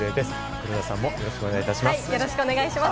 黒田さんもよろしくお願いいたします。